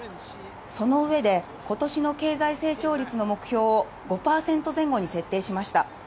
その上で、今年の経済成長率の目標を５％前後に設定しました。